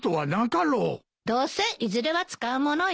どうせいずれは使う物よ。